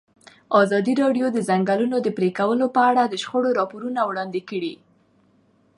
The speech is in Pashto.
ازادي راډیو د د ځنګلونو پرېکول په اړه د شخړو راپورونه وړاندې کړي.